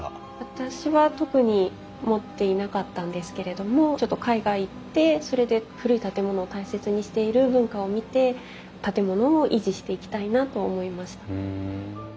私は特に持っていなかったんですけれどもちょっと海外行ってそれで古い建物を大切にしている文化を見て建物を維持していきたいなと思いました。